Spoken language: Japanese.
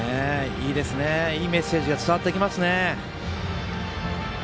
いいメッセージが伝わってきますね。